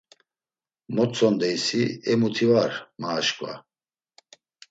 Motzondeysi, e muti var, ma aşǩva…